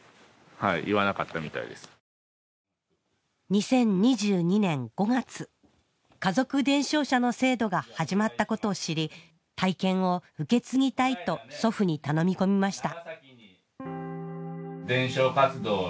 ２０２２年５月家族伝承者の制度が始まったことを知り体験を受け継ぎたいと祖父に頼み込みました